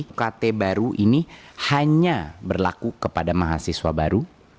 dan ukt baru ini hanya berlaku kepada mahasiswa baru